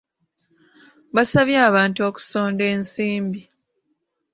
Baasabye abantu okusonda ensimbi.